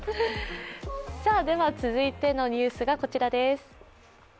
では続いてのニュースがこちらです。